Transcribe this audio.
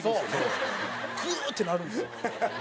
グーッてなるんですよ。